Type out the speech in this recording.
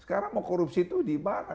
sekarang mau korupsi itu di mana